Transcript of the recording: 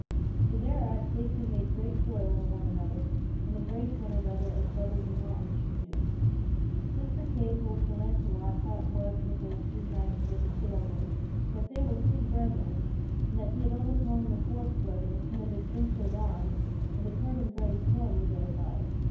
So thereat they two made great joy over one another, and embraced one another as brothers in arms should do. Then Sir Kay told Sir Launcelot how it was with those three knights who had assailed him; that they were three brethren, and that he had overthrown the fourth brother in an adventure at arms and had hurt him very sorely thereby.